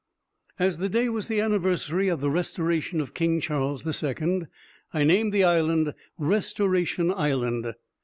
As the day was the anniversary of the restoration of King Charles II., I named the island Restoration Island.